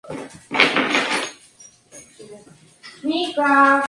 Estuvo casada dos veces y tuvo dos hijas.